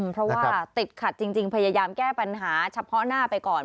เพราะว่าติดขัดจริงพยายามแก้ปัญหาเฉพาะหน้าไปก่อน